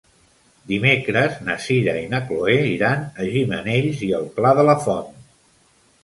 Dimecres na Sira i na Chloé iran a Gimenells i el Pla de la Font.